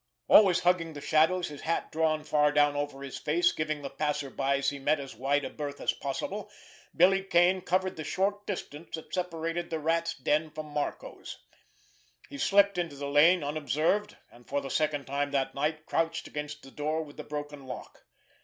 Always hugging the shadows, his hat drawn far down over his face, giving the passers by he met as wide a berth as possible, Billy Kane covered the short distance that separated the Rat's den from Marco's. He slipped into the lane unobserved, and for the second time that night crouched against the door with the broken lock.